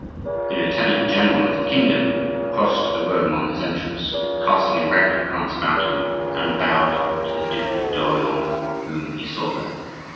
The lieutenant general of the kingdom crossed the room on his entrance, casting a rapid glance about him, and bowed to the Duc d'Orleans whom he saw there.